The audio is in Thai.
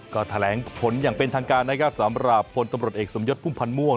ก็แถลงผลอย่างเป็นทางการนะครับสำหรับพลตำรวจเอกสมยศพุ่มพันธ์ม่วง